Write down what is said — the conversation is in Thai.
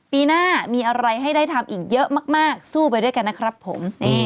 ปีหน้ามีอะไรให้ได้ทำอีกเยอะมากสู้ไปด้วยกันนะครับผม